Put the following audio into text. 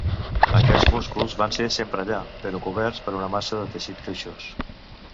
Aquest músculs van ser sempre allà, però coberts per una massa de teixit greixós.